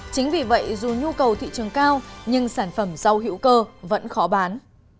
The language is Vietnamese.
chính vì vậy dù nhu cầu thị trường cao nhưng sản phẩm rau hữu cơ vẫn khó bán